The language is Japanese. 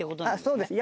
そうです。